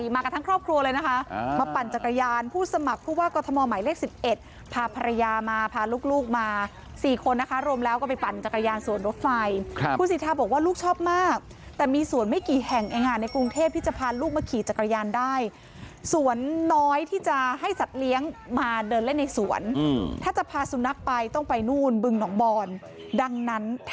มากันทั้งครอบครัวเลยนะคะมาปั่นจักรยานผู้สมัครผู้ว่ากรทมหมายเลข๑๑พาภรรยามาพาลูกมา๔คนนะคะรวมแล้วก็ไปปั่นจักรยานสวนรถไฟคุณสิทธาบอกว่าลูกชอบมากแต่มีสวนไม่กี่แห่งเองในกรุงเทพที่จะพาลูกมาขี่จักรยานได้ส่วนน้อยที่จะให้สัตว์เลี้ยงมาเดินเล่นในสวนถ้าจะพาสุนัขไปต้องไปนู่นบึงหนองบอนดังนั้นท